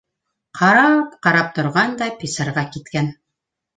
Ҡарап-ҡарап торған да писарға киткән.